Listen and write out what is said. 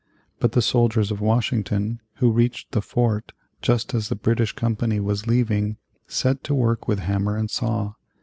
But the soldiers of Washington who reached the fort just as the last British company was leaving, set to work with hammer and saw.